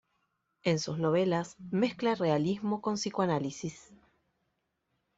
En sus novelas, mezcla realismo con psicoanálisis.